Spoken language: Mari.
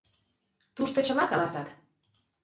Тушто чыла каласат.